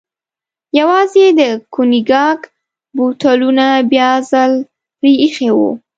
یوازې یې د کونیګاک بوتلونه بیا ځل پرې ایښي و.